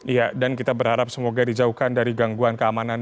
iya dan kita berharap semoga dijauhkan dari gangguan keamanan